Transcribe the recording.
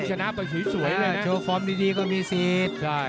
ช่วงฟอร์มดีก็มีสิทธิ์